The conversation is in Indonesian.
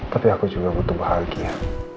tapi aku juga butuh bahagia